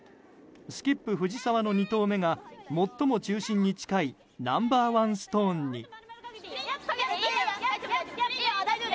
スキップ、藤澤の２投目が最も中心に近いナンバーワンストーンに。